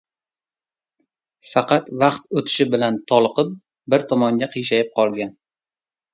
Faqat vaqt o‘tishi bilan toliqib bir tomonga qiyshayib qolgan.